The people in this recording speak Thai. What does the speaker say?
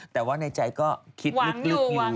แต่ว่าในใจก็คิดลึกอยู่